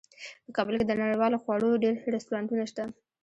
په کابل کې د نړیوالو خوړو ډیر رستورانتونه شته